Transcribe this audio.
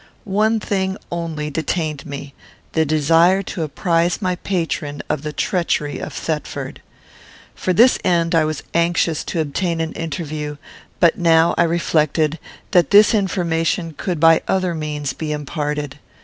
One thing only detained me; the desire to apprize my patron of the treachery of Thetford. For this end I was anxious to obtain an interview; but now I reflected that this information could by other means be imparted.